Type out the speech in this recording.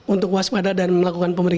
untuk waspadai dan melakukan perjalanan